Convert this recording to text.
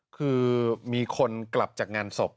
คือมีคนกลับจากงานศพ